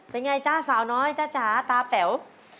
เป็นไงจ๊ะสาวน้อยจ๊ะจ๋าตาแป๋ว